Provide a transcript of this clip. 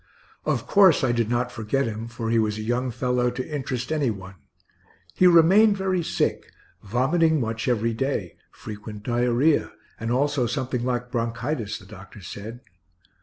Of course I did not forget him, for he was a young fellow to interest any one. He remained very sick vomiting much every day, frequent diarrhoea, and also something like bronchitis, the doctor said.